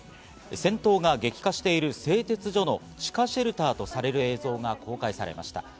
戦闘が激化している製鉄所の地下シェルターとされる映像が公開されました。